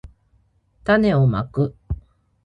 たねをまく